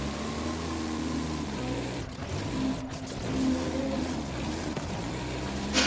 তুমি সেবার একজনকে মেরে ফেলেছ।